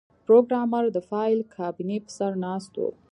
پروګرامر د فایل کابینې په سر ناست و